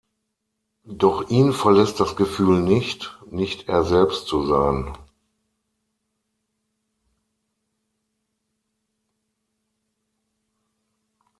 Doch ihn verlässt das Gefühl nicht, nicht er selbst zu sein.